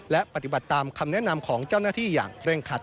และปฏิบัติตามคำแนะนำของเจ้าหน้าที่อย่างเร่งคัด